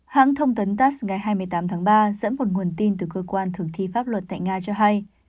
hãng thông tấn tass ngày hai mươi tám tháng ba dẫn một nguồn tin từ cơ quan thường thi pháp luật tại nga cho hay